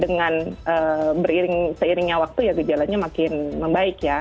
dengan seiringnya waktu ya gejalanya makin membaik ya